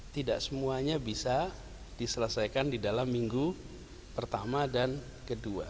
tidak semuanya bisa diselesaikan di dalam minggu pertama dan kedua